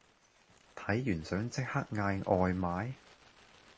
睇完想即刻嗌外賣？